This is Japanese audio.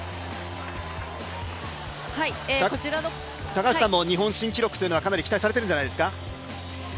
高橋さんも日本記録というのはかなり期待されているんじゃないですか？